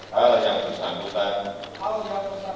hal yang bersangkutan